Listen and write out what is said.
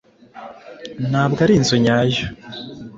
Ntabwo ari inzu nyayo